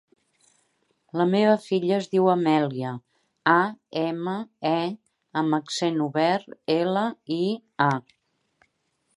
La meva filla es diu Amèlia: a, ema, e amb accent obert, ela, i, a.